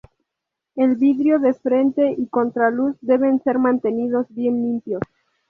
El vidrio de frente y contraluz deben ser mantenidos bien limpios.